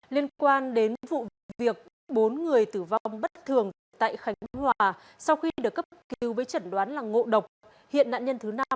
liên quan đến vụ việc bốn người tử vong bất thường tại khánh hòa sau khi được cấp cứu với chẩn đoán là ngộ độc hiện nạn nhân thứ năm